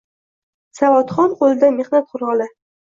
Savodxon qo’lida mehnat quroli.